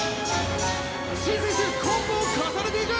シン選手コンボを重ねていく！